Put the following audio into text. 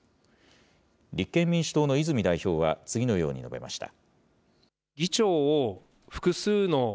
立憲民主党の泉代表は次のように述べました。